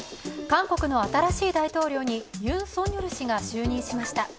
韓国の新しい大統領にユン・ソンニョル氏が就任しました。